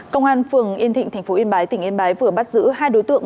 công an phường yên thịnh thành phố yên bái tỉnh yên bái vừa bắt giữ hai đối tượng